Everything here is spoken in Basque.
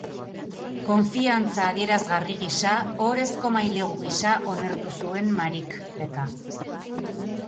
Konfiantza-adierazgarri gisa, ohorezko mailegu gisa, onartu zuen Mariek beka.